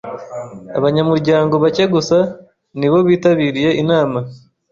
Abanyamuryango bake gusa ni bo bitabiriye inama.